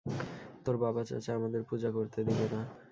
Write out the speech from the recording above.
তোর বাব-চাচা আমাদের পূজা করতে দিবে না।